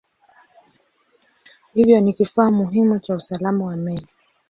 Hivyo ni kifaa muhimu cha usalama wa meli.